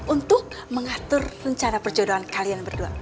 untuk mengatur rencana perjodohan kalian berdua